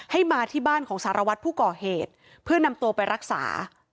ให้มาที่บ้านของสารวัตรผู้ก่อเหตุเพื่อนำตัวไปรักษา